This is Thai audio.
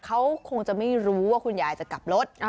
เขาคงจะไม่รู้ว่าคุณยายจะกลับรถ